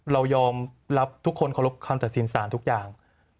เรายอมรับทุกคนเคารพคำตัดสินสารทุกอย่าง